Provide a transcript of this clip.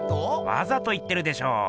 わざと言ってるでしょ。